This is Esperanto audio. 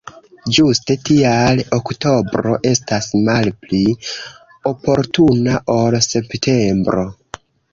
Ĝuste tial oktobro estas malpli oportuna ol septembro.